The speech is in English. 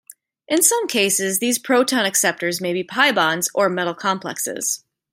In some cases, these proton acceptors may be pi-bonds or metal complexes.